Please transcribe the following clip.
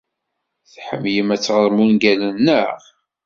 Tḥemmlem ad teɣrem ungalen, naɣ?